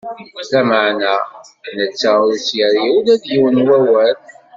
Lameɛna netta ur s-yerri ula d yiwen n wawal.